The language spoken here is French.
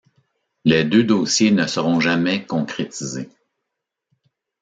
Les deux dossiers ne seront jamais concrétisés.